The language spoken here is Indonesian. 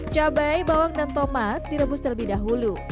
cabai bawang dan tomat direbus terlebih dahulu